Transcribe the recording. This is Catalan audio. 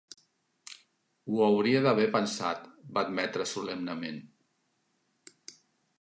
"Ho hauria d'haver pensat", va admetre solemnement.